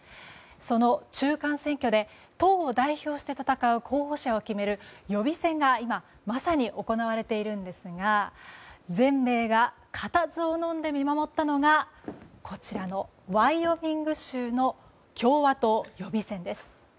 その中間選挙で党を代表して候補者を決める予備選が今、まさに行われているんですが全米が固唾をのんで見守ったのがワイオミング州の共和党予備選です。